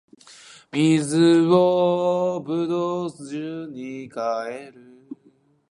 水を葡萄酒に変える